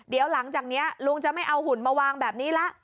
เดี๋ยวหลังจากนี้ลุงจะไม่เอาหุ่นมาวางแบบนี้ละ